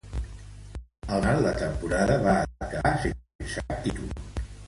Al final, la temporada va acabar sense cap títol.